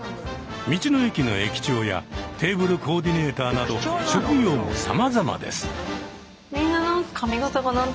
道の駅の駅長やテーブルコーディネーターなど職業もさまざまです。